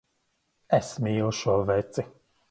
Es mīlu šo veci.